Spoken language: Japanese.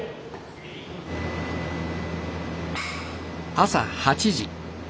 朝８時。